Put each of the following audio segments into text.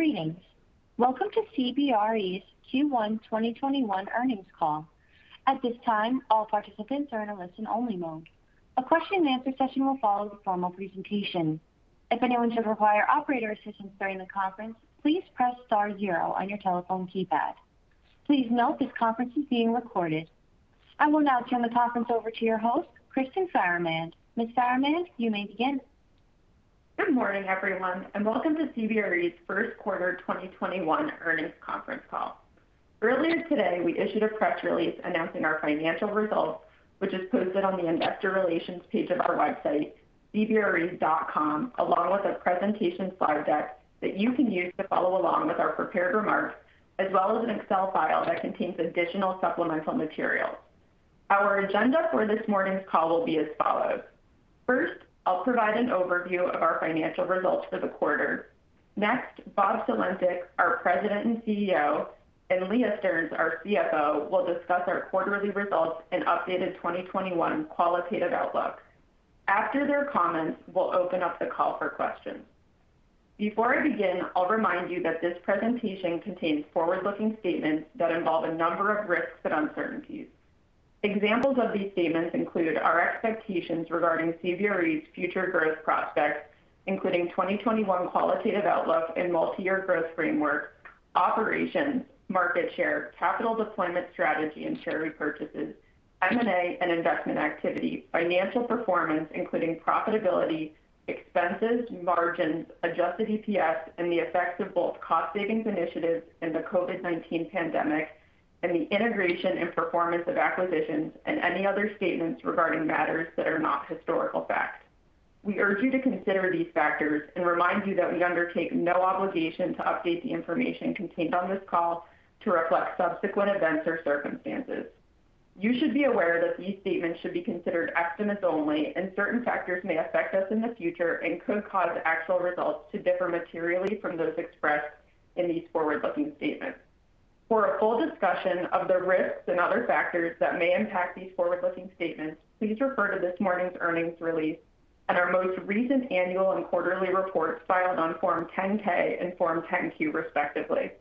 Greetings. Welcome to CBRE's Q1 2021 earnings call. At this time, all participants are in a listen-only mode. A question and answer session will follow the formal presentation. If anyone should require operator assistance during the conference, please press star zero on your telephone keypad. Please note this conference is being recorded. I will now turn the conference over to your host, Kristyn Farahmand. Ms. Farahmand, you may begin. Good morning, everyone, and welcome to CBRE's first quarter 2021 earnings conference call. Earlier today, we issued a press release announcing our financial results, which is posted on the investor relations page of our website, cbre.com, along with a presentation slide deck that you can use to follow along with our prepared remarks, as well as an Excel file that contains additional supplemental materials. Our agenda for this morning's call will be as follows. First, I'll provide an overview of our financial results for the quarter. Next, Bob Sulentic, our President and CEO, and Leah Stearns, our CFO, will discuss our quarterly results and updated 2021 qualitative outlook. After their comments, we'll open up the call for questions. Before I begin, I'll remind you that this presentation contains forward-looking statements that involve a number of risks and uncertainties. Examples of these statements include our expectations regarding CBRE's future growth prospects, including 2021 qualitative outlook and multi-year growth framework, operations, market share, capital deployment strategy and share repurchases, M&A and investment activity, financial performance including profitability, expenses, margins, adjusted EPS, and the effects of both cost savings initiatives and the COVID-19 pandemic, and the integration and performance of acquisitions, and any other statements regarding matters that are not historical facts. We urge you to consider these factors and remind you that we undertake no obligation to update the information contained on this call to reflect subsequent events or circumstances. You should be aware that these statements should be considered estimates only, and certain factors may affect us in the future and could cause actual results to differ materially from those expressed in these forward-looking statements. For a full discussion of the risks and other factors that may impact these forward-looking statements, please refer to this morning's earnings release and our most recent annual and quarterly reports filed on Form 10-K and Form 10-Q, respectively.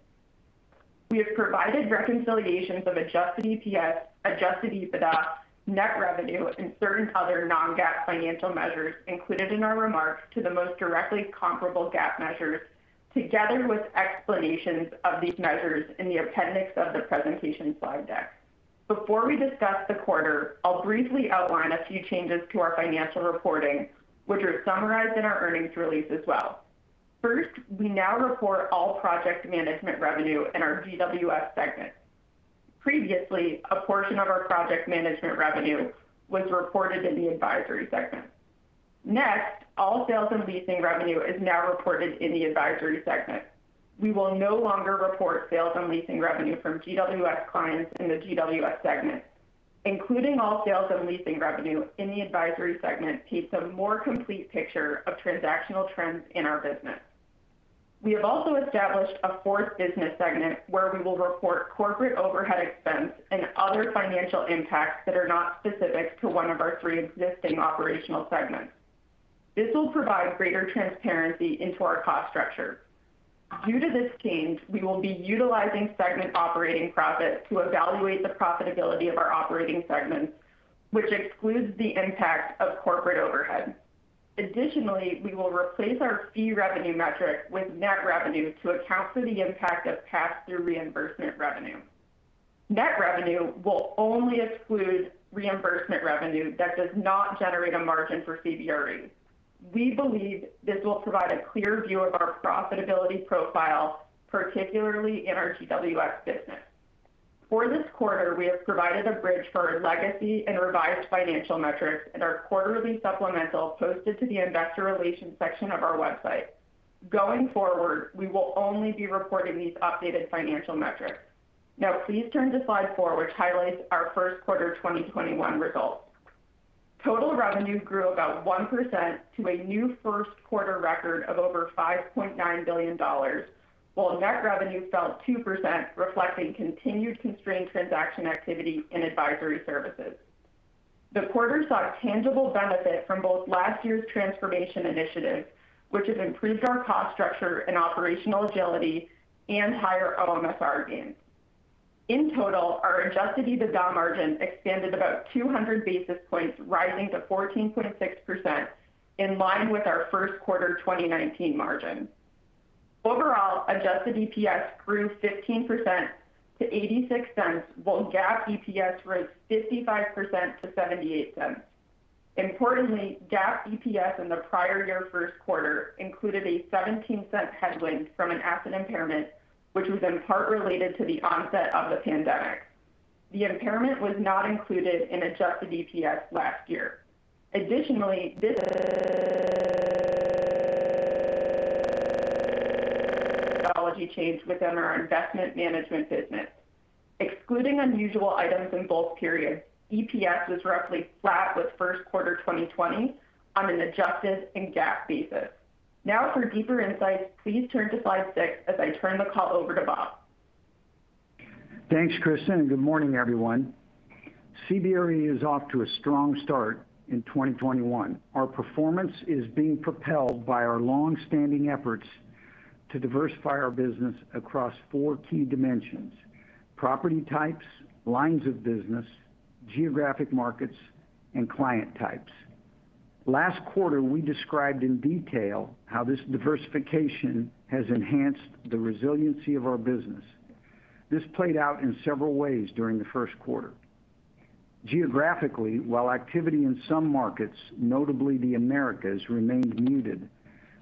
We have provided reconciliations of adjusted EPS, adjusted EBITDA, net revenue, and certain other non-GAAP financial measures included in our remarks to the most directly comparable GAAP measures, together with explanations of these measures in the appendix of the presentation slide deck. Before we discuss the quarter, I'll briefly outline a few changes to our financial reporting, which are summarized in our earnings release as well. First, we now report all project management revenue in our GWS segment. Previously, a portion of our project management revenue was reported in the advisory segment. Next, all sales and leasing revenue is now reported in the advisory segment. We will no longer report sales and leasing revenue from GWS clients in the GWS segment. Including all sales and leasing revenue in the advisory segment paints a more complete picture of transactional trends in our business. We have also established a fourth business segment where we will report corporate overhead expense and other financial impacts that are not specific to one of our three existing operational segments. This will provide greater transparency into our cost structure. Due to this change, we will be utilizing segment operating profit to evaluate the profitability of our operating segments, which excludes the impact of corporate overhead. Additionally, we will replace our fee revenue metric with net revenue to account for the impact of pass-through reimbursement revenue. Net revenue will only exclude reimbursement revenue that does not generate a margin for CBRE. We believe this will provide a clear view of our profitability profile, particularly in our GWS business. For this quarter, we have provided a bridge for legacy and revised financial metrics in our quarterly supplemental posted to the investor relations section of our website. Going forward, we will only be reporting these updated financial metrics. Please turn to slide four, which highlights our first quarter 2021 results. Total revenue grew about 1% to a new first-quarter record of over $5.9 billion, while net revenue fell 2%, reflecting continued constrained transaction activity in advisory services. The quarter saw tangible benefit from both last year's transformation initiatives, which has improved our cost structure and operational agility and higher OMSR gains. In total, our adjusted EBITDA margin expanded about 200 basis points, rising to 14.6%, in line with our first quarter 2019 margin. Overall, adjusted EPS grew 15% to $0.86, while GAAP EPS rose 55% to $0.78. Importantly, GAAP EPS in the prior year first quarter included a $0.17 headwind from an asset impairment, which was in part related to the onset of the pandemic. The impairment was not included in adjusted EPS last year. This change within our investment management business. Excluding unusual items in both periods, EPS was roughly flat with first quarter 2020 on an adjusted and GAAP basis. For deeper insights, please turn to slide six as I turn the call over to Bob. Thanks, Kristyn, and good morning, everyone. CBRE is off to a strong start in 2021. Our performance is being propelled by our long-standing efforts to diversify our business across four key dimensions: property types, lines of business, geographic markets, and client types. Last quarter, we described in detail how this diversification has enhanced the resiliency of our business. This played out in several ways during the first quarter. Geographically, while activity in some markets, notably the Americas, remained muted,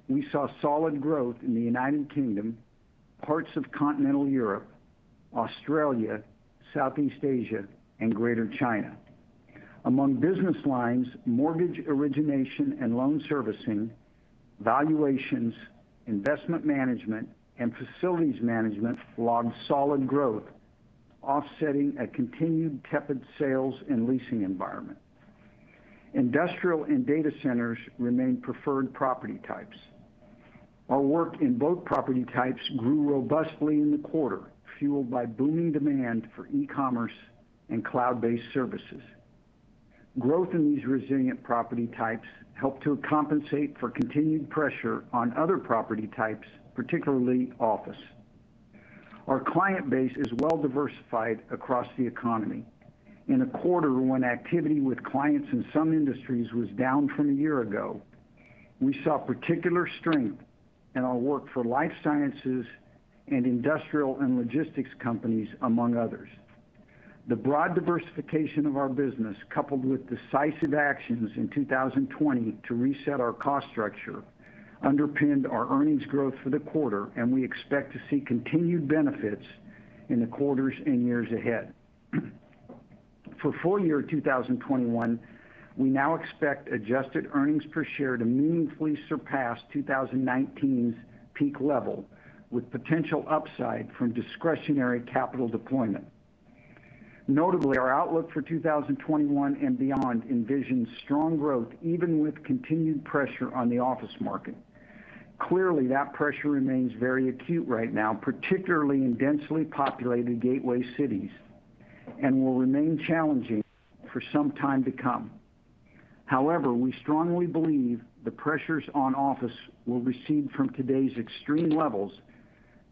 we saw solid growth in the United Kingdom, parts of continental Europe, Australia, Southeast Asia, and Greater China. Among business lines, mortgage origination and loan servicing, valuations, investment management, and facilities management logged solid growth, offsetting a continued tepid sales and leasing environment. Industrial and data centers remain preferred property types. Our work in both property types grew robustly in the quarter, fueled by booming demand for e-commerce and cloud-based services. Growth in these resilient property types helped to compensate for continued pressure on other property types, particularly office. Our client base is well diversified across the economy. In a quarter when activity with clients in some industries was down from a year ago, we saw particular strength in our work for life sciences and industrial and logistics companies, among others. The broad diversification of our business, coupled with decisive actions in 2020 to reset our cost structure, underpinned our earnings growth for the quarter, and we expect to see continued benefits in the quarters and years ahead. For full year 2021, we now expect adjusted earnings per share to meaningfully surpass 2019's peak level, with potential upside from discretionary capital deployment. Notably, our outlook for 2021 and beyond envisions strong growth even with continued pressure on the office market. Clearly, that pressure remains very acute right now, particularly in densely populated gateway cities, and will remain challenging for some time to come. However, we strongly believe the pressures on office will recede from today's extreme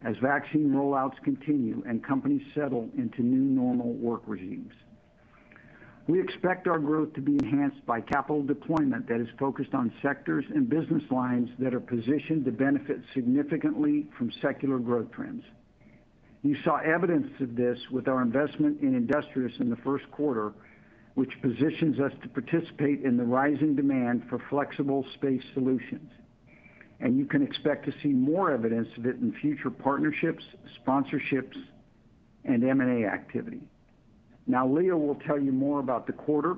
levels as vaccine rollouts continue and companies settle into new normal work regimes. You saw evidence of this with our investment in Industrious in the first quarter, which positions us to participate in the rising demand for flexible space solutions. You can expect to see more evidence of it in future partnerships, sponsorships, and M&A activity. Now Leah will tell you more about the quarter,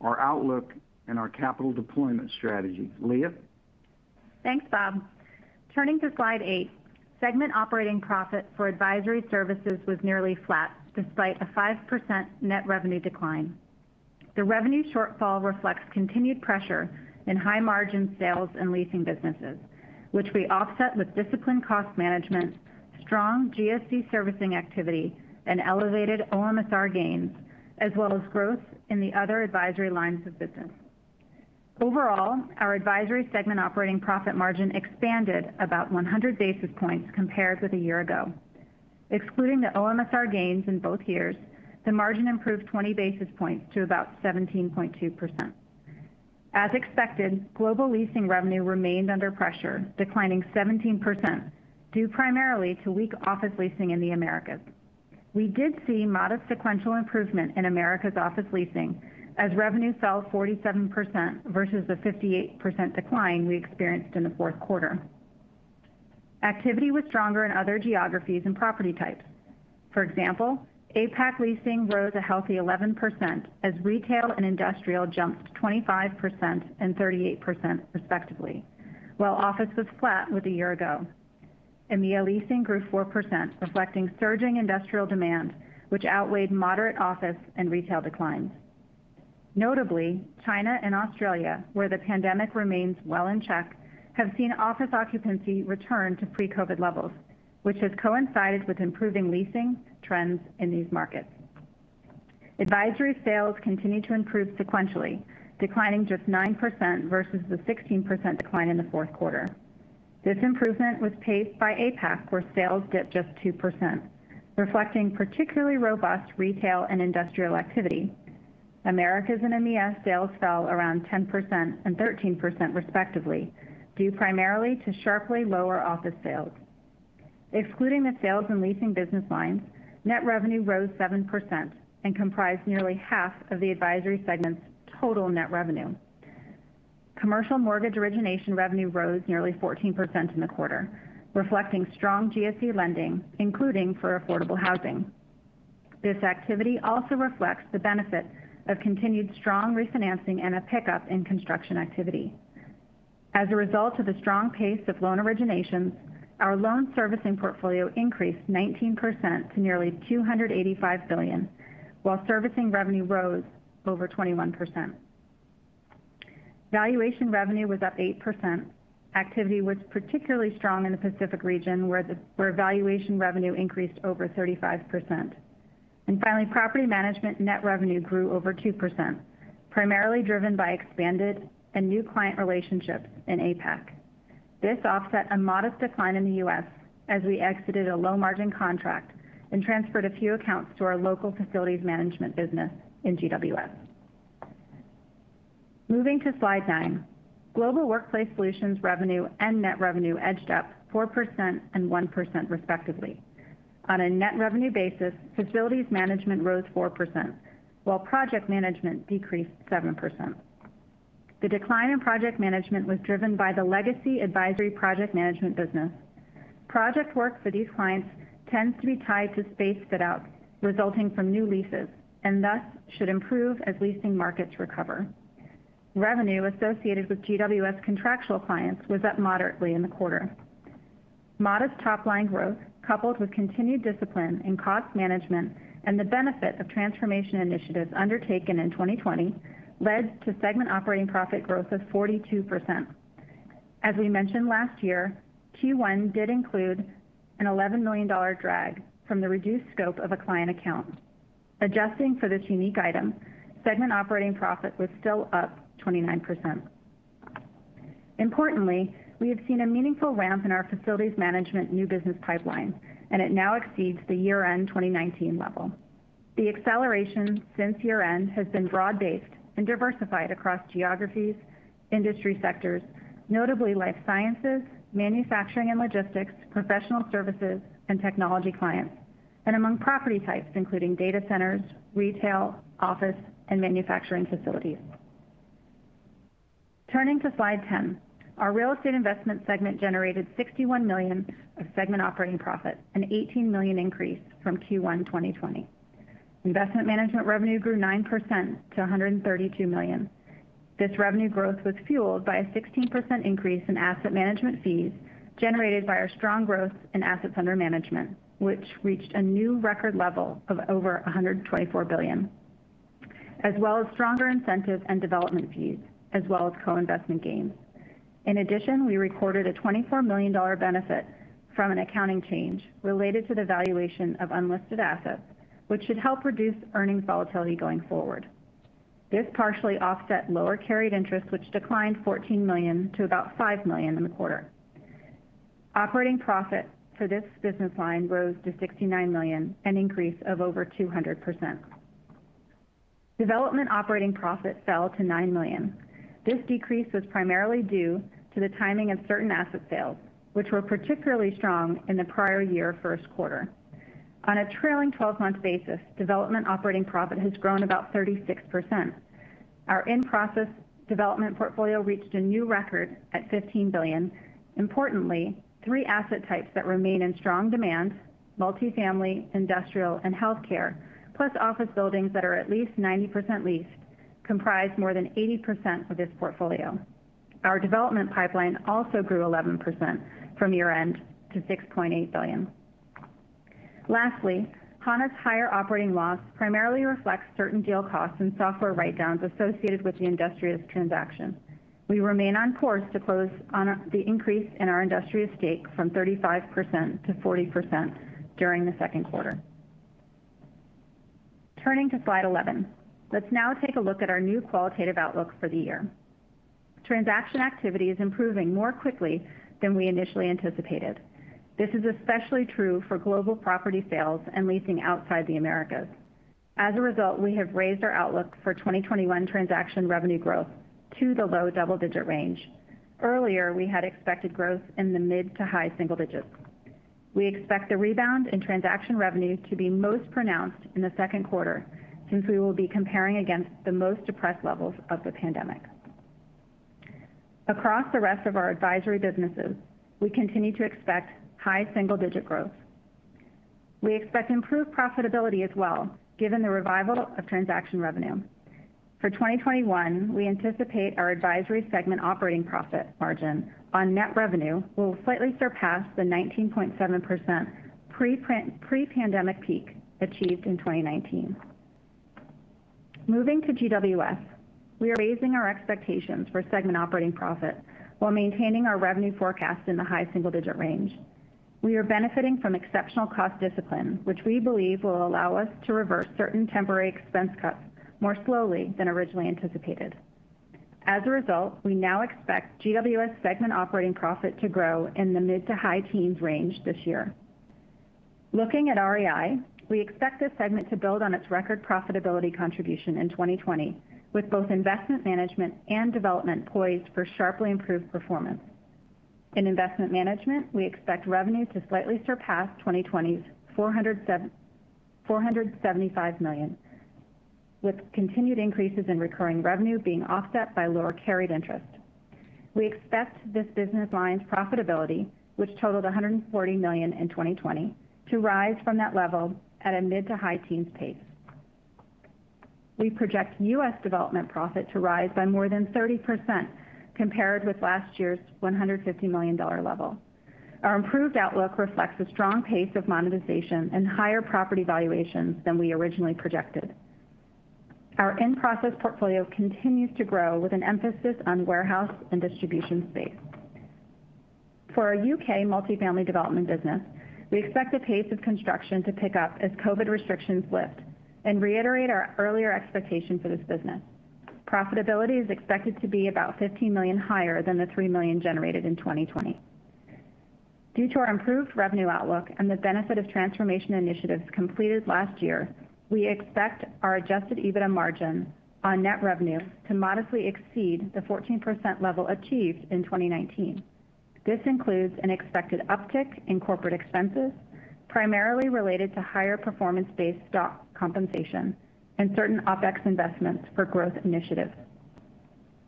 our outlook, and our capital deployment strategy. Leah? Thanks, Bob. Turning to slide eight, segment operating profit for advisory services was nearly flat despite a 5% net revenue decline. The revenue shortfall reflects continued pressure in high-margin sales and leasing businesses, which we offset with disciplined cost management, strong GSE servicing activity, and elevated OMSR gains, as well as growth in the other advisory lines of business. Overall, our advisory segment operating profit margin expanded about 100 basis points compared with a year ago. Excluding the OMSR gains in both years, the margin improved 20 basis points to about 17.2%. As expected, global leasing revenue remained under pressure, declining 17%, due primarily to weak office leasing in the Americas. We did see modest sequential improvement in Americas office leasing, as revenue fell 47% versus the 58% decline we experienced in the fourth quarter. Activity was stronger in other geographies and property types. For example, APAC leasing rose a healthy 11% as retail and industrial jumped 25% and 38% respectively, while office was flat with a year ago. EMEA leasing grew 4%, reflecting surging industrial demand, which outweighed moderate office and retail declines. Notably, China and Australia, where the pandemic remains well in check, have seen office occupancy return to pre-COVID levels, which has coincided with improving leasing trends in these markets. Advisory sales continued to improve sequentially, declining just 9% versus the 16% decline in the fourth quarter. This improvement was paced by APAC, where sales dipped just 2%, reflecting particularly robust retail and industrial activity. Americas and EMEA sales fell around 10% and 13% respectively, due primarily to sharply lower office sales. Excluding the sales and leasing business lines, net revenue rose 7% and comprised nearly half of the advisory segment's total net revenue. Commercial mortgage origination revenue rose 14% in the quarter, reflecting strong GSE lending, including for affordable housing. This activity also reflects the benefit of continued strong refinancing and a pickup in construction activity. As a result of the strong pace of loan originations, our loan servicing portfolio increased 19% to $285 billion, while servicing revenue rose 21%. Valuation revenue was up 8%. Activity was particularly strong in the Pacific region, where valuation revenue increased 35%. Finally, property management net revenue grew 2%, primarily driven by expanded and new client relationships in APAC. This offset a modest decline in the U.S. as we exited a low-margin contract and transferred a few accounts to our local facilities management business in GWS. Moving to slide nine. Global Workplace Solutions revenue and net revenue edged up 4% and 1% respectively. On a net revenue basis, facilities management rose 4%, while project management decreased 7%. The decline in project management was driven by the legacy advisory project management business. Project work for these clients tends to be tied to space fit-out resulting from new leases, and thus should improve as leasing markets recover. Revenue associated with GWS contractual clients was up moderately in the quarter. Modest top-line growth, coupled with continued discipline in cost management and the benefit of transformation initiatives undertaken in 2020 led to segment operating profit growth of 42%. As we mentioned last year, Q1 did include an $11 million drag from the reduced scope of a client account. Adjusting for this unique item, segment operating profit was still up 29%. Importantly, we have seen a meaningful ramp in our facilities management new business pipeline, and it now exceeds the year-end 2019 level. The acceleration since year-end has been broad-based and diversified across geographies, industry sectors, notably life sciences, manufacturing and logistics, professional services, and technology clients. Among property types, including data centers, retail, office, and manufacturing facilities. Turning to slide 10. Our real estate investment segment generated $61 million of segment operating profit, an $18 million increase from Q1 2020. Investment management revenue grew 9% to $132 million. This revenue growth was fueled by a 16% increase in asset management fees generated by our strong growth in assets under management, which reached a new record level of over $124 billion, as well as stronger incentive and development fees, as well as co-investment gains. In addition, we recorded a $24 million benefit from an accounting change related to the valuation of unlisted assets, which should help reduce earnings volatility going forward. This partially offset lower carried interest, which declined $14 million to about $5 million in the quarter. Operating profit for this business line rose to $69 million, an increase of over 200%. Development operating profit fell to $9 million. This decrease was primarily due to the timing of certain asset sales, which were particularly strong in the prior year first quarter. On a trailing 12-month basis, development operating profit has grown about 36%. Our in-process development portfolio reached a new record at $15 billion. Importantly, three asset types that remain in strong demand, multi-family, industrial, and healthcare, plus office buildings that are at least 90% leased, comprise more than 80% of this portfolio. Our development pipeline also grew 11% from year-end to $6.8 billion. Lastly, Hana's higher operating loss primarily reflects certain deal costs and software write-downs associated with the Industrious transaction. We remain on course to close on the increase in our Industrious stake from 35%-40% during the second quarter. Turning to slide 11. Let's now take a look at our new qualitative outlook for the year. Transaction activity is improving more quickly than we initially anticipated. This is especially true for global property sales and leasing outside the Americas. As a result, we have raised our outlook for 2021 transaction revenue growth to the low double-digit range. Earlier, we had expected growth in the mid to high single digits. We expect the rebound in transaction revenue to be most pronounced in the second quarter, since we will be comparing against the most depressed levels of the pandemic. Across the rest of our advisory businesses, we continue to expect high single-digit growth. We expect improved profitability as well, given the revival of transaction revenue. For 2021, we anticipate our advisory segment operating profit margin on net revenue will slightly surpass the 19.7% pre-pandemic peak achieved in 2019. Moving to GWS, we are raising our expectations for segment operating profit while maintaining our revenue forecast in the high single-digit range. We are benefiting from exceptional cost discipline, which we believe will allow us to reverse certain temporary expense cuts more slowly than originally anticipated. As a result, we now expect GWS segment operating profit to grow in the mid to high teens range this year. Looking at REI, we expect this segment to build on its record profitability contribution in 2020, with both investment management and development poised for sharply improved performance. In investment management, we expect revenue to slightly surpass 2020's $475 million, with continued increases in recurring revenue being offset by lower carried interest. We expect this business line's profitability, which totaled $140 million in 2020, to rise from that level at a mid to high teens pace. We project US development profit to rise by more than 30% compared with last year's $150 million level. Our improved outlook reflects a strong pace of monetization and higher property valuations than we originally projected. Our in-process portfolio continues to grow with an emphasis on warehouse and distribution space. For our UK multifamily development business, we expect the pace of construction to pick up as COVID-19 restrictions lift and reiterate our earlier expectation for this business. Profitability is expected to be about $15 million higher than the $3 million generated in 2020. Due to our improved revenue outlook and the benefit of transformation initiatives completed last year, we expect our adjusted EBITDA margin on net revenue to modestly exceed the 14% level achieved in 2019. This includes an expected uptick in corporate expenses, primarily related to higher performance-based stock compensation and certain OpEx investments for growth initiatives.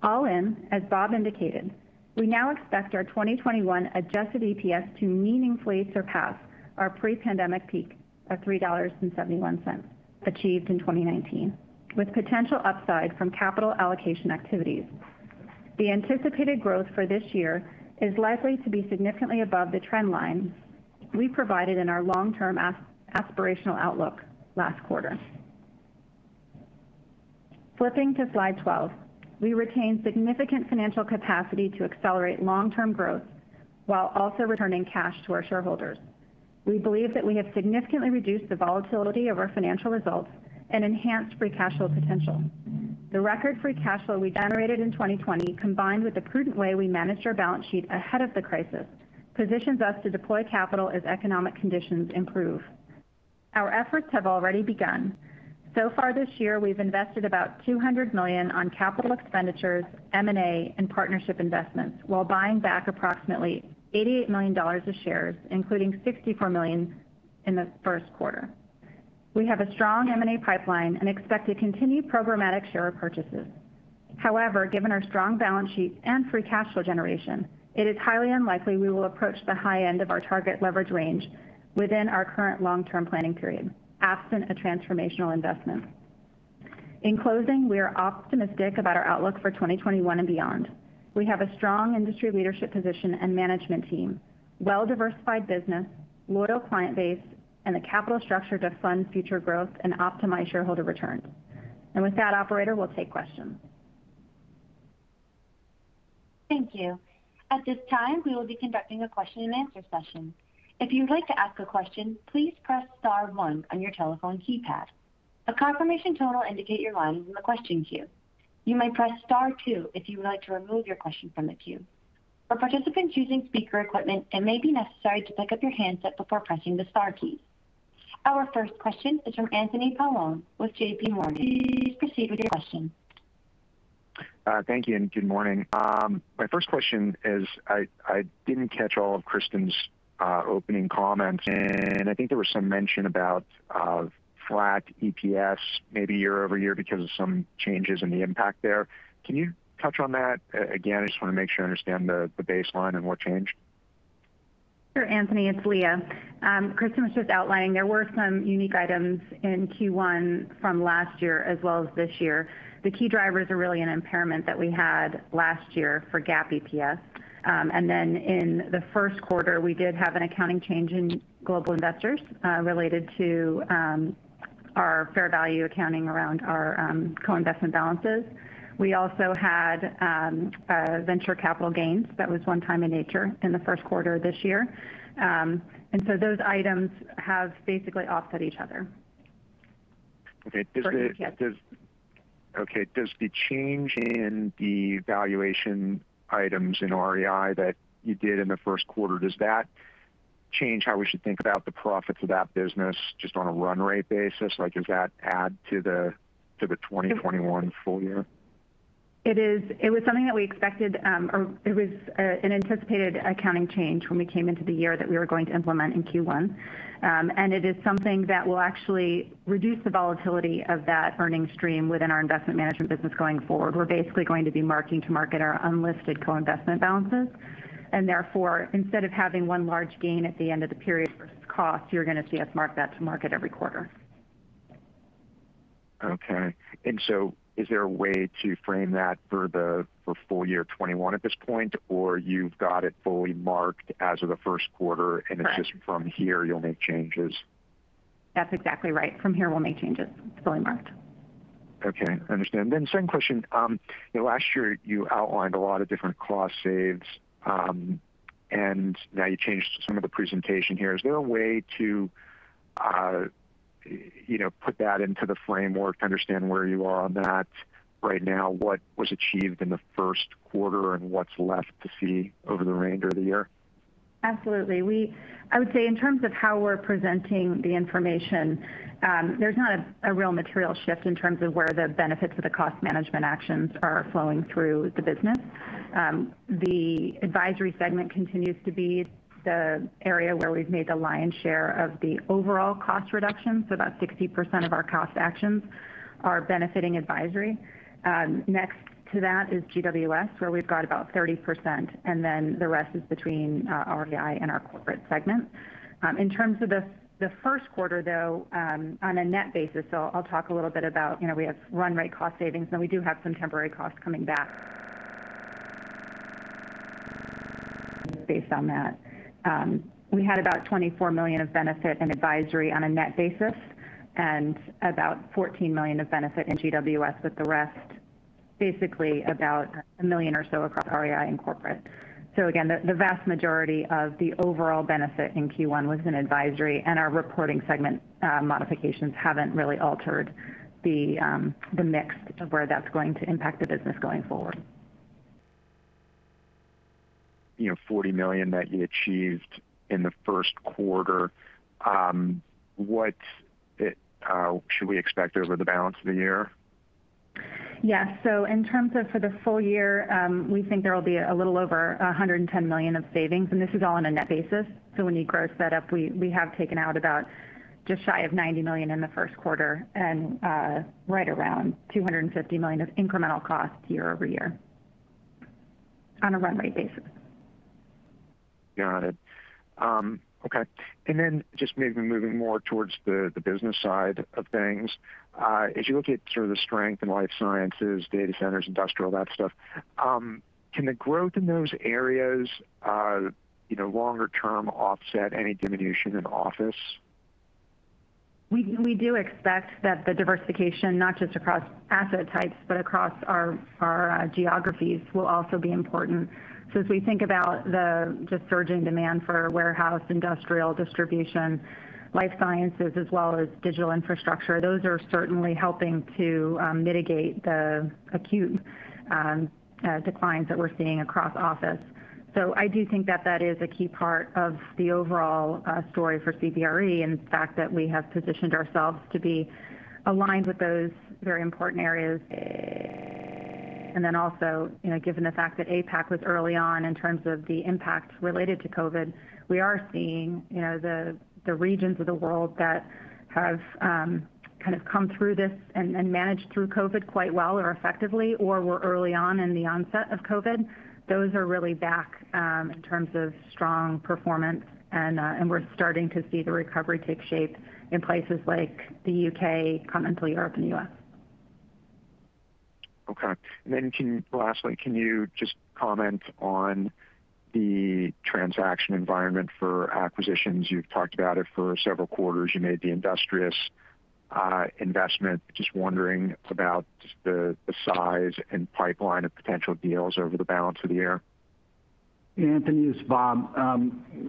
All in, as Bob indicated, we now expect our 2021 adjusted EPS to meaningfully surpass our pre-pandemic peak of $3.71 achieved in 2019, with potential upside from capital allocation activities. The anticipated growth for this year is likely to be significantly above the trend line we provided in our long-term aspirational outlook last quarter. Flipping to slide 12. We retain significant financial capacity to accelerate long-term growth while also returning cash to our shareholders. We believe that we have significantly reduced the volatility of our financial results and enhanced free cash flow potential. The record free cash flow we generated in 2020, combined with the prudent way we managed our balance sheet ahead of the crisis, positions us to deploy capital as economic conditions improve. Our efforts have already begun. So far this year, we've invested about $200 million on capital expenditures, M&A, and partnership investments while buying back approximately $88 million of shares, including $64 million in the first quarter. We have a strong M&A pipeline and expect to continue programmatic share purchases. However, given our strong balance sheet and free cash flow generation, it is highly unlikely we will approach the high end of our target leverage range within our current long-term planning period, absent a transformational investment. In closing, we are optimistic about our outlook for 2021 and beyond. We have a strong industry leadership position and management team, well-diversified business, loyal client base, and the capital structure to fund future growth and optimize shareholder returns. With that, operator, we'll take questions. Thank you. At this time, we will be conducting a question and answer session. If you'd like to ask a question, please press star one on your telephone keypad. A confirmation tone will indicate your line is in the question queue. You may press star two if you would like to remove your question from the queue. For participants using speaker equipment, it may be necessary to pick up your handset before pressing the star key. Our first question is from Anthony Paolone with JPMorgan. Please proceed with your question. Thank you. Good morning. My first question is, I didn't catch all of Kristyn's opening comments, and I think there was some mention about flat EPS, maybe year-over-year because of some changes in the impact there. Can you touch on that again? I just want to make sure I understand the baseline and what changed. Sure, Anthony. It's Leah. Kristyn was just outlining there were some unique items in Q1 from last year as well as this year. The key drivers are really an impairment that we had last year for GAAP EPS. In the first quarter, we did have an accounting change in Global Investors related to our fair value accounting around our co-investment balances. We also had venture capital gains that was one-time in nature in the first quarter of this year. Those items have basically offset each other. Okay. For EPS. Okay. Does the change in the valuation items in REI that you did in the first quarter, does that change how we should think about the profits of that business just on a run rate basis? Does that add to the 2021 full year? It was something that we expected, or it was an anticipated accounting change when we came into the year that we were going to implement in Q1. It is something that will actually reduce the volatility of that earnings stream within our investment management business going forward. We're basically going to be marking to market our unlisted co-investment balances. Therefore, instead of having one large gain at the end of the period versus cost, you're going to see us mark that to market every quarter. Okay. Is there a way to frame that for full year 2021 at this point, or you've got it fully marked as of the first quarter? Correct. It's just from here you'll make changes? That's exactly right. From here, we'll make changes. It's fully marked. Okay. Understand. Second question. Last year, you outlined a lot of different cost saves, and now you changed some of the presentation here. Is there a way to put that into the framework to understand where you are on that right now? What was achieved in the first quarter and what's left to see over the remainder of the year? Absolutely. I would say in terms of how we're presenting the information, there's not a real material shift in terms of where the benefits of the cost management actions are flowing through the business. The advisory segment continues to be the area where we've made the lion's share of the overall cost reductions. About 60% of our cost actions are benefiting advisory. Next to that is GWS, where we've got about 30%, the rest is between REI and our corporate segment. In terms of the first quarter, though, on a net basis, I'll talk a little bit about we have run rate cost savings, and we do have some temporary costs coming back. We had about $24 million of benefit and advisory on a net basis, and about $14 million of benefit in GWS, with the rest basically about $1 million or so across REI and corporate. Again, the vast majority of the overall benefit in Q1 was in advisory, and our reporting segment modifications haven't really altered the mix of where that's going to impact the business going forward. $40 million that you achieved in the first quarter. What should we expect over the balance of the year? In terms of for the full year, we think there will be a little over $110 million of savings, and this is all on a net basis. When you gross that up, we have taken out about just shy of $90 million in the first quarter, and right around $250 million of incremental cost year-over-year on a run rate basis. Got it. Okay. Just maybe moving more towards the business side of things. As you look at sort of the strength in life sciences, data centers, industrial, that stuff, can the growth in those areas longer term offset any diminution in office? We do expect that the diversification, not just across asset types, but across our geographies will also be important. As we think about the just surging demand for warehouse, industrial distribution, life sciences, as well as digital infrastructure, those are certainly helping to mitigate the acute declines that we're seeing across office. I do think that that is a key part of the overall story for CBRE, and the fact that we have positioned ourselves to be aligned with those very important areas. Then also, given the fact that APAC was early on in terms of the impact related to COVID, we are seeing the regions of the world that have kind of come through this and managed through COVID quite well or effectively or were early on in the onset of COVID. Those are really back in terms of strong performance, and we're starting to see the recovery take shape in places like the U.K., Continental Europe, and the U.S. Okay. Lastly, can you just comment on the transaction environment for acquisitions? You've talked about it for several quarters. You made the Industrious investment. Just wondering about just the size and pipeline of potential deals over the balance of the year. Anthony, it's Bob.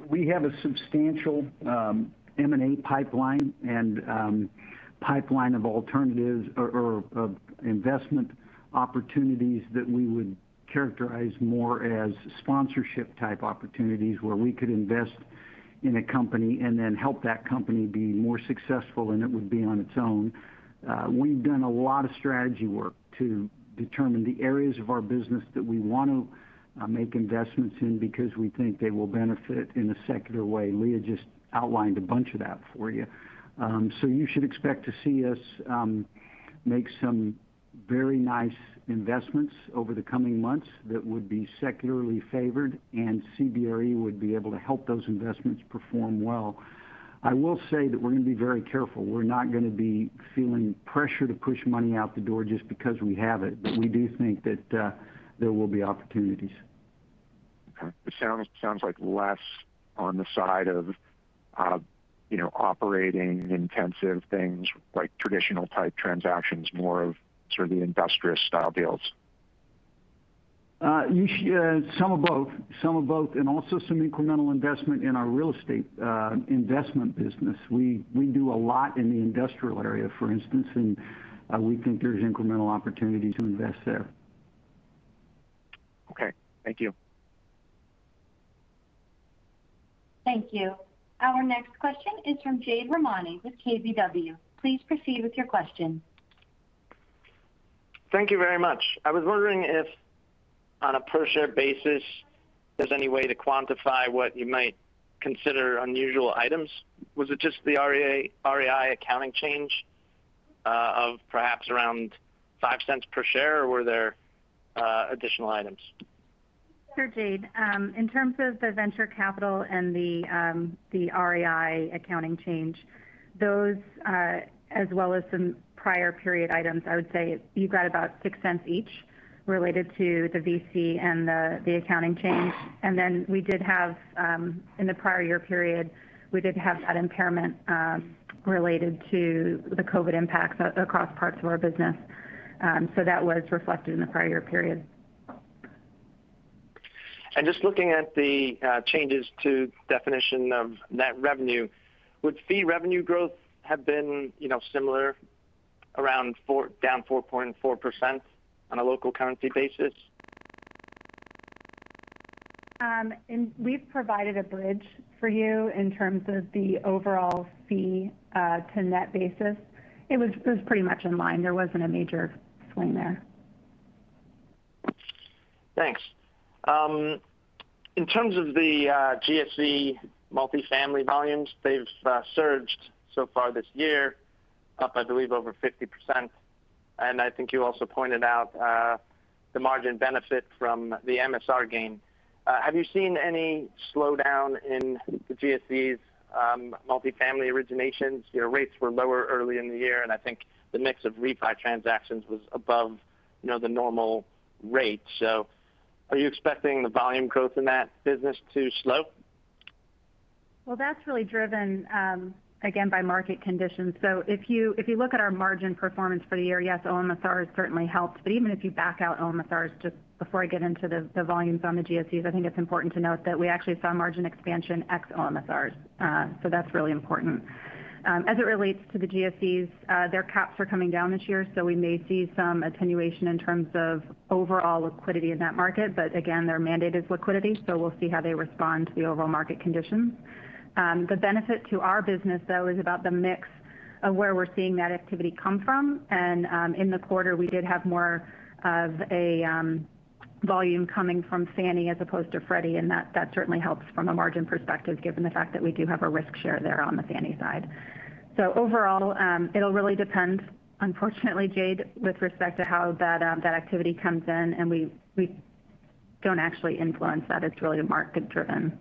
We have a substantial M&A pipeline and pipeline of alternatives or of investment opportunities that we would characterize more as sponsorship type opportunities where we could invest in a company and then help that company be more successful than it would be on its own. We've done a lot of strategy work to determine the areas of our business that we want to make investments in because we think they will benefit in a secular way. Leah just outlined a bunch of that for you. You should expect to see us make some very nice investments over the coming months that would be secularly favored and CBRE would be able to help those investments perform well. I will say that we're going to be very careful. We're not going to be feeling pressure to push money out the door just because we have it. We do think that there will be opportunities. Okay. It sounds like less on the side of operating intensive things like traditional type transactions, more of sort of the Industrious style deals. Some of both. Also some incremental investment in our real estate investment business. We do a lot in the industrial area, for instance, and we think there's incremental opportunity to invest there. Okay. Thank you. Thank you. Our next question is from Jade Rahmani with KBW. Please proceed with your question. Thank you very much. I was wondering if on a per share basis, there's any way to quantify what you might consider unusual items. Was it just the REI accounting change of perhaps around $0.05 per share, or were there additional items? Sure, Jade. In terms of the venture capital and the REI accounting change, those as well as some prior period items, I would say you've got about $0.06 each related to the VC and the accounting change. In the prior year period, we did have that impairment related to the COVID impacts across parts of our business. That was reflected in the prior year period. Just looking at the changes to definition of net revenue, would fee revenue growth have been similar around down 4.4% on a local currency basis? We've provided a bridge for you in terms of the overall fee to net basis. It was pretty much in line. There wasn't a major swing there. Thanks. In terms of the GSE multifamily volumes, they've surged so far this year, up I believe over 50%. I think you also pointed out the margin benefit from the MSR gain. Have you seen any slowdown in the GSEs multifamily originations? Your rates were lower early in the year, and I think the mix of refi transactions was above the normal rate. Are you expecting the volume growth in that business to slow? That's really driven, again, by market conditions. If you look at our margin performance for the year, yes, OMSRs certainly helped. Even if you back out OMSRs, just before I get into the volumes on the GSEs, I think it's important to note that we actually saw margin expansion ex OMSRs. That's really important. As it relates to the GSEs, their caps are coming down this year, we may see some attenuation in terms of overall liquidity in that market. Again, they're mandated liquidity, we'll see how they respond to the overall market conditions. The benefit to our business, though, is about the mix of where we're seeing that activity come from. In the quarter, we did have more of a volume coming from Fannie as opposed to Freddie, and that certainly helps from a margin perspective, given the fact that we do have a risk share there on the Fannie side. Overall, it'll really depend, unfortunately, Jade, with respect to how that activity comes in, and we don't actually influence that. It's really a market-driven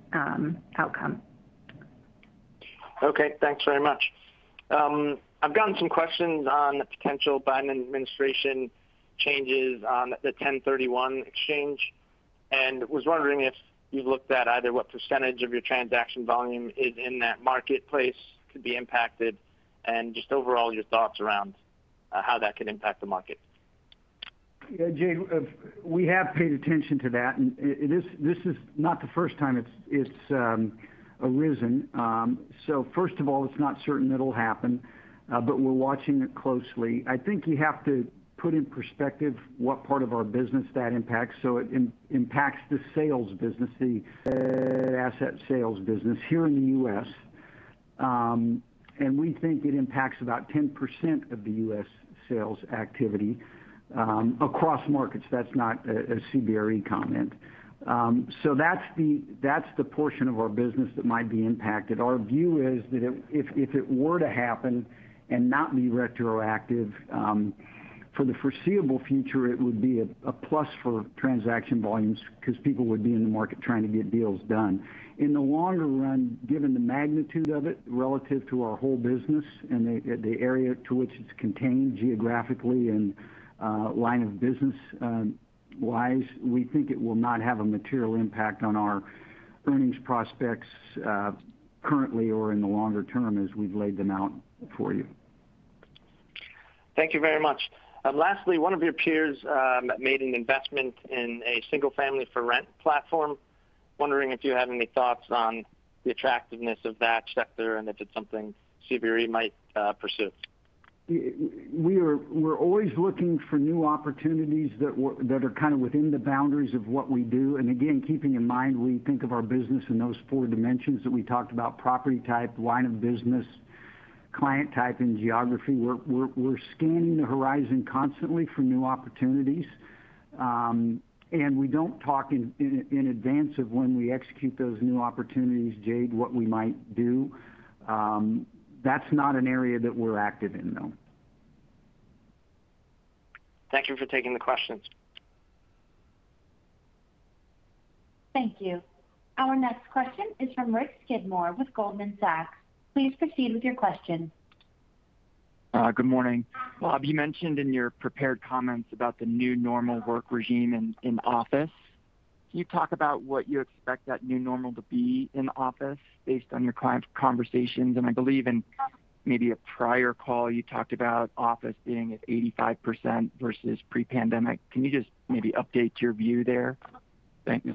outcome. Okay. Thanks very much. I've gotten some questions on potential Biden administration changes on the 1031 exchange, and was wondering if you looked at either what percentage of your transaction volume is in that marketplace could be impacted and just overall your thoughts around how that could impact the market? Yeah, Jade, we have paid attention to that, and this is not the first time it's arisen. First of all, it's not certain it'll happen, but we're watching it closely. I think you have to put in perspective what part of our business that impacts. It impacts the sales business, the asset sales business here in the U.S. We think it impacts about 10% of the U.S. sales activity across markets. That's not a CBRE comment. That's the portion of our business that might be impacted. Our view is that if it were to happen and not be retroactive, for the foreseeable future, it would be a plus for transaction volumes because people would be in the market trying to get deals done. In the longer run, given the magnitude of it relative to our whole business and the area to which it's contained geographically and line of business-wise, we think it will not have a material impact on our earnings prospects, currently or in the longer term as we've laid them out for you. Thank you very much. Lastly, one of your peers made an investment in a single-family for rent platform. Wondering if you have any thoughts on the attractiveness of that sector and if it's something CBRE might pursue? We're always looking for new opportunities that are kind of within the boundaries of what we do, again, keeping in mind we think of our business in those four dimensions that we talked about, property type, line of business, client type, and geography. We're scanning the horizon constantly for new opportunities. We don't talk in advance of when we execute those new opportunities, Jade, what we might do. That's not an area that we're active in, though. Thank you for taking the questions. Thank you. Our next question is from Rick Skidmore with Goldman Sachs. Please proceed with your question. Good morning. Bob, you mentioned in your prepared comments about the new normal work regime in office. Can you talk about what you expect that new normal to be in office based on your client conversations? I believe in maybe a prior call you talked about office being at 85% versus pre-pandemic. Can you just maybe update your view there? Thank you.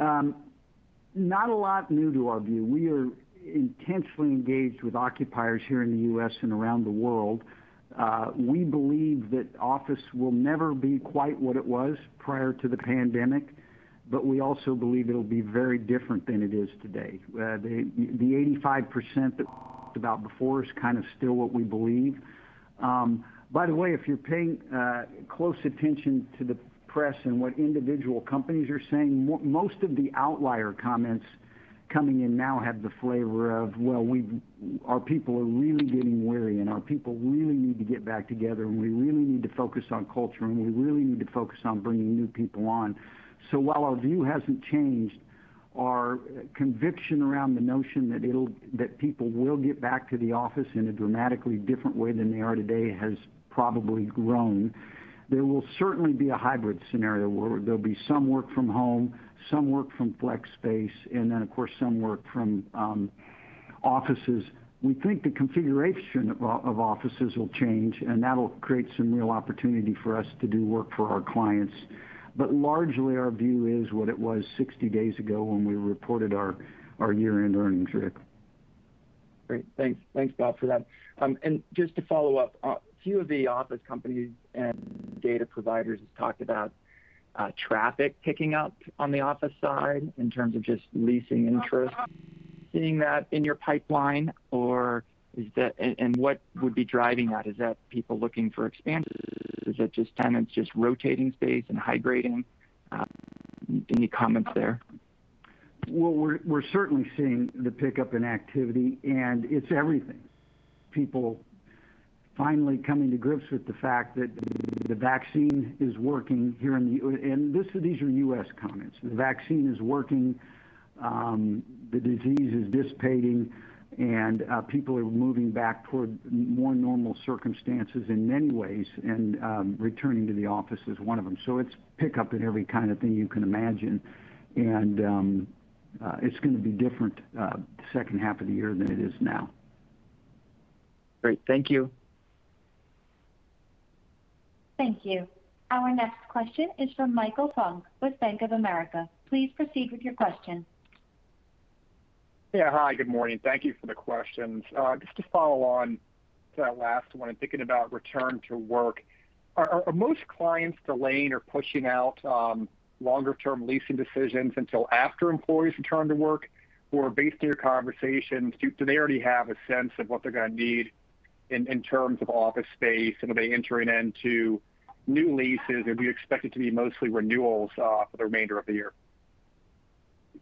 Not a lot new to our view. We are intentionally engaged with occupiers here in the U.S. and around the world. We believe that office will never be quite what it was prior to the pandemic, but we also believe it'll be very different than it is today. The 85% that we talked about before is kind of still what we believe. By the way, if you're paying close attention to the press and what individual companies are saying, most of the outlier comments coming in now have the flavor of, "Well, our people are really getting weary, and our people really need to get back together, and we really need to focus on culture, and we really need to focus on bringing new people on." While our view hasn't changed, our conviction around the notion that people will get back to the office in a dramatically different way than they are today has probably grown. There will certainly be a hybrid scenario where there'll be some work from home, some work from flex space, and then of course, some work from offices. We think the configuration of offices will change, and that'll create some real opportunity for us to do work for our clients. Largely, our view is what it was 60 days ago when we reported our year-end earnings, Rick. Great. Thanks. Thanks, Bob, for that. Just to follow up, a few of the office companies and data providers have talked about traffic picking up on the office side in terms of just leasing interest. Seeing that in your pipeline, and what would be driving that? Is that people looking for expansion? Is that just tenants rotating space and high-grading? Any comments there? Well, we're certainly seeing the pickup in activity. It's everything. People finally coming to grips with the fact that the vaccine is working here. These are U.S. comments. The vaccine is working. The disease is dissipating, and people are moving back toward more normal circumstances in many ways, and returning to the office is one of them. It's pickup in every kind of thing you can imagine. It's going to be different the second half of the year than it is now. Great. Thank you. Thank you. Our next question is from Michael Funk with Bank of America. Please proceed with your question. Yeah. Hi, good morning. Thank you for the questions. Just to follow on to that last one and thinking about return to work, are most clients delaying or pushing out longer-term leasing decisions until after employees return to work? Based on your conversations, do they already have a sense of what they're going to need in terms of office space? Are they entering into new leases? Do you expect it to be mostly renewals for the remainder of the year?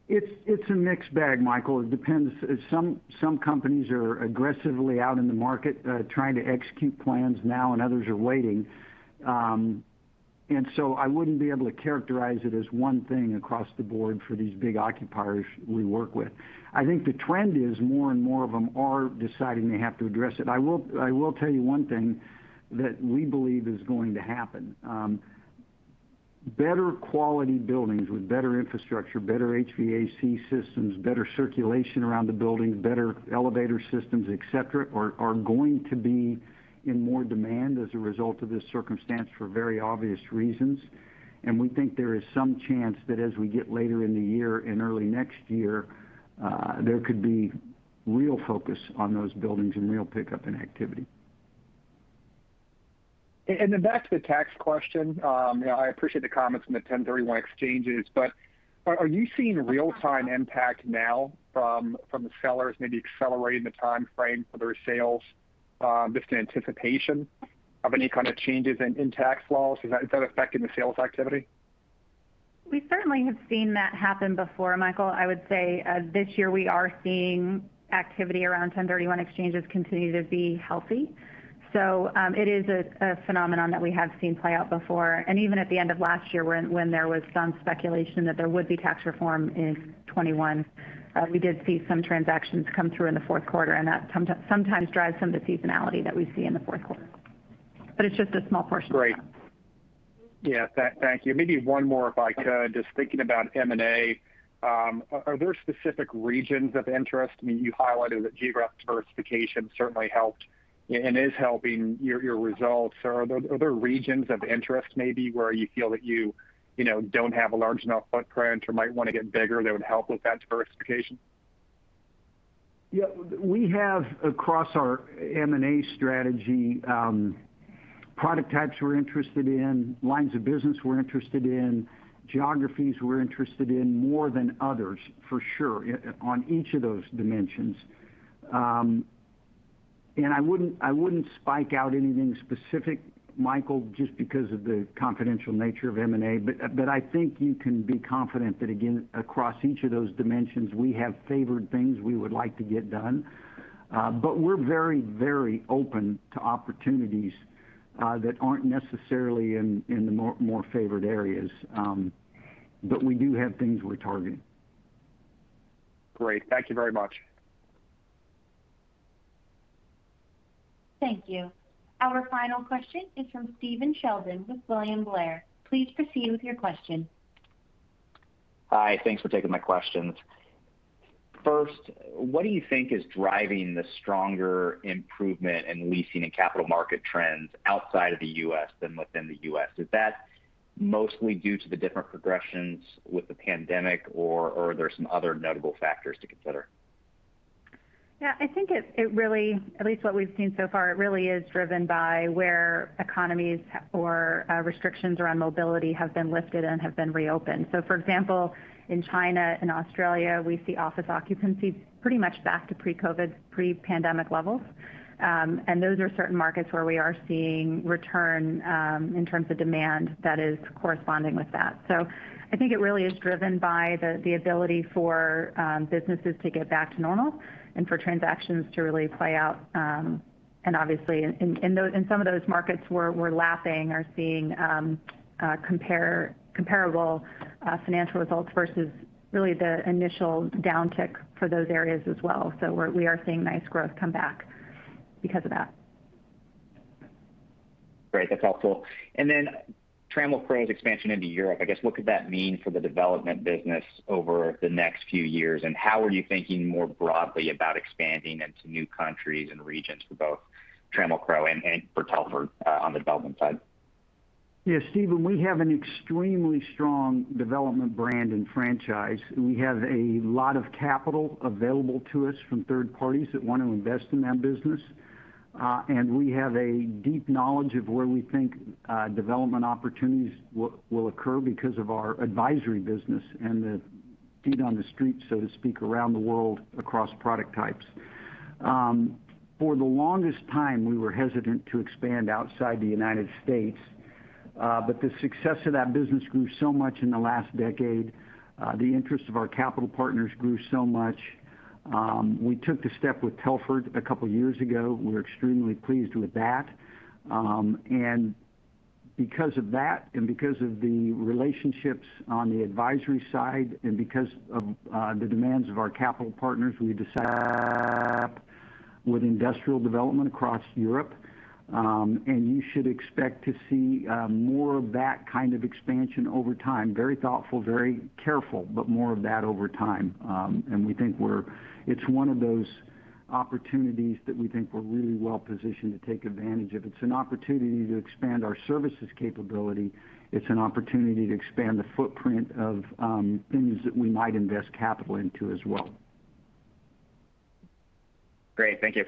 It's a mixed bag, Michael. It depends. Some companies are aggressively out in the market trying to execute plans now, and others are waiting. I wouldn't be able to characterize it as one thing across the board for these big occupiers we work with. I think the trend is more and more of them are deciding they have to address it. I will tell you one thing that we believe is going to happen. Better quality buildings with better infrastructure, better HVAC systems, better circulation around the building, better elevator systems, et cetera, are going to be in more demand as a result of this circumstance for very obvious reasons. We think there is some chance that as we get later in the year and early next year, there could be real focus on those buildings and real pickup in activity. Back to the tax question. I appreciate the comments on the 1031 exchanges, but are you seeing real-time impact now from the sellers maybe accelerating the timeframe for their sales, just in anticipation of any kind of changes in tax laws? Is that affecting the sales activity? We certainly have seen that happen before, Michael. I would say this year we are seeing activity around 1031 exchanges continue to be healthy. It is a phenomenon that we have seen play out before. Even at the end of last year when there was some speculation that there would be tax reform in 2021, we did see some transactions come through in the fourth quarter, and that sometimes drives some of the seasonality that we see in the fourth quarter. It's just a small portion of that. Great. Yeah. Thank you. Maybe one more, if I could. Just thinking about M&A, are there specific regions of interest? You highlighted that geographic diversification certainly helped and is helping your results. Are there regions of interest maybe where you feel that you don't have a large enough footprint or might want to get bigger that would help with that diversification? Yeah. We have, across our M&A strategy, product types we're interested in, lines of business we're interested in, geographies we're interested in more than others, for sure, on each of those dimensions. I wouldn't spike out anything specific, Michael, just because of the confidential nature of M&A. I think you can be confident that, again, across each of those dimensions, we have favored things we would like to get done. We're very open to opportunities that aren't necessarily in the more favored areas. We do have things we're targeting. Great. Thank you very much. Thank you. Our final question is from Stephen Sheldon with William Blair. Please proceed with your question. Hi. Thanks for taking my questions. First, what do you think is driving the stronger improvement in leasing and capital market trends outside of the U.S. than within the U.S.? Is that mostly due to the different progressions with the pandemic, or are there some other notable factors to consider? Yeah, I think it really, at least what we've seen so far, it really is driven by where economies or restrictions around mobility have been lifted and have been reopened. For example, in China and Australia, we see office occupancy pretty much back to pre-COVID, pre-pandemic levels. Those are certain markets where we are seeing return in terms of demand that is corresponding with that. I think it really is driven by the ability for businesses to get back to normal and for transactions to really play out. Obviously in some of those markets, we're lapping or seeing comparable financial results versus really the initial downtick for those areas as well. We are seeing nice growth come back because of that. Great. That's helpful. Trammell Crow's expansion into Europe, I guess, what could that mean for the development business over the next few years? How are you thinking more broadly about expanding into new countries and regions for both Trammell Crow and for Telford on the development side? Stephen, we have an extremely strong development brand and franchise. We have a lot of capital available to us from third parties that want to invest in that business. We have a deep knowledge of where we think development opportunities will occur because of our advisory business and the feet on the street, so to speak, around the world across product types. For the longest time, we were hesitant to expand outside the U.S. The success of that business grew so much in the last decade. The interest of our capital partners grew so much. We took the step with Telford a couple of years ago. We're extremely pleased with that. Because of that, and because of the relationships on the advisory side, and because of the demands of our capital partners, we decided with industrial development across Europe. You should expect to see more of that kind of expansion over time. Very thoughtful, very careful, but more of that over time. It's one of those opportunities that we think we're really well positioned to take advantage of. It's an opportunity to expand our services capability. It's an opportunity to expand the footprint of things that we might invest capital into as well. Great. Thank you.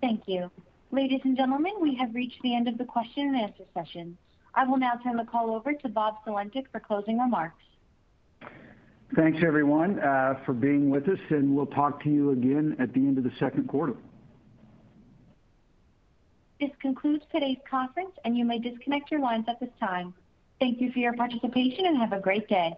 Thank you. Ladies and gentlemen, we have reached the end of the question and answer session. I will now turn the call over to Bob Sulentic for closing remarks. Thanks, everyone, for being with us, and we'll talk to you again at the end of the second quarter. This concludes today's conference, and you may disconnect your lines at this time. Thank you for your participation, and have a great day.